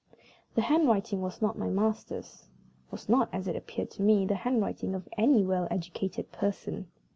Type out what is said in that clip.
The handwriting was not my master's; was not, as it appeared to me, the handwriting of any well educated person.